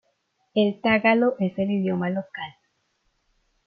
El tagalo es el idioma local.